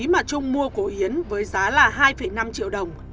mà trung mua của yến với giá là hai năm triệu đồng